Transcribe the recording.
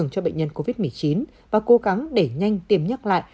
cho bệnh nhân covid một mươi chín và cố gắng để nhanh tiêm nhắc lại